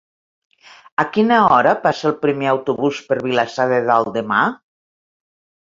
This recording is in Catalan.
A quina hora passa el primer autobús per Vilassar de Dalt demà?